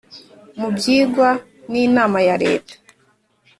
Mu byigwa n inama ya leta